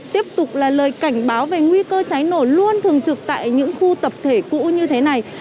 tiếp tục là lời cảnh báo về nguy cơ cháy nổ luôn thường trực tại những khu tập thể cũ như thế này